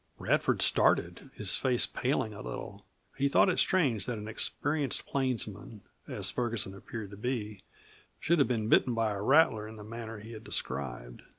Radford started, his face paling a little. He had thought it strange that an experienced plainsman as Ferguson appeared to be should have been bitten by a rattler in the manner he had described.